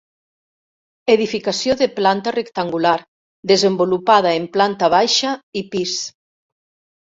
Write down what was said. Edificació de planta rectangular, desenvolupada en planta baixa i pis.